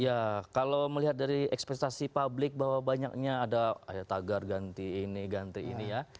ya kalau melihat dari ekspektasi publik bahwa banyaknya ada tagar ganti ini ganti ini ya